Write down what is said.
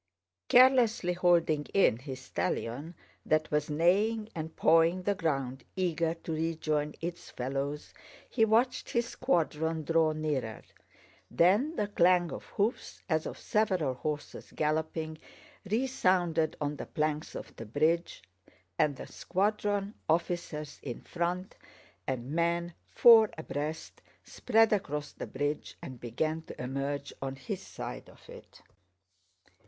Carelessly holding in his stallion that was neighing and pawing the ground, eager to rejoin its fellows, he watched his squadron draw nearer. Then the clang of hoofs, as of several horses galloping, resounded on the planks of the bridge, and the squadron, officers in front and men four abreast, spread across the bridge and began to emerge on his side of it.